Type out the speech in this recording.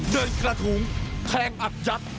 เดินกระถุงแทงอัดยัด